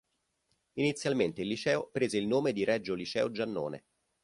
Inizialmente il liceo prese il nome di "Regio liceo Giannone".